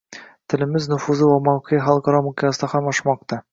Tilimiz nufuzi va mavqei xalqaro miqyosda ham oshmoqda